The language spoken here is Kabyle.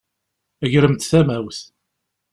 Gremt tamawt!